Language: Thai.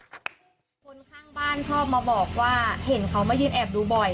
คนข้างบ้านชอบมาบอกว่าเห็นเขามายืนแอบดูบ่อย